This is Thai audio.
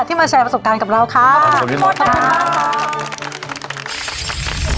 ที่มาแชร์ประสบการณ์กับเราค่ะขอบคุณครับขอบคุณครับ